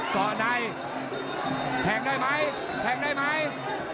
ก่อนในแพงได้ไหม